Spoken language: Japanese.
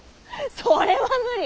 それは無理！